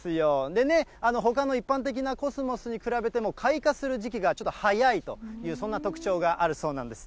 でね、ほかの一般的なコスモスに比べても、開花する時期がちょっと早いと、そんな特徴があるそうなんです。